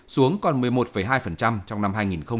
xuống còn một mươi một hai trong năm hai nghìn một mươi chín